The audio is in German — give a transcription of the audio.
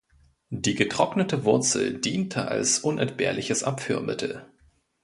Die getrocknete Wurzel diente als unentbehrliches Abführmittel.